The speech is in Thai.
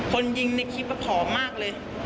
คนยิงในคลิปผอมมากเลย